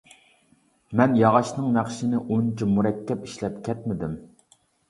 مەن ياغاچنىڭ نەقىشىنى ئۇنچە مۇرەككەپ ئىشلەپ كەتمىدىم.